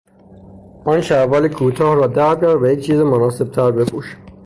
آن شلوار کوتاه را دربیار و یک چیز مناسبتر بپوش!